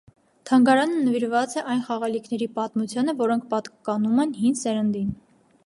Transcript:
Թանգարանը նվիրված է այն խաղալիքների պատմությանը, որոնք պատկանում են հին սերնդին։